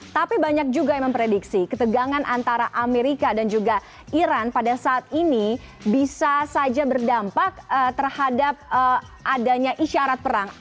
tapi banyak juga yang memprediksi ketegangan antara amerika dan juga iran pada saat ini bisa saja berdampak terhadap adanya isyarat perang